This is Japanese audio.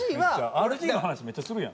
ＲＧの話めっちゃするやん。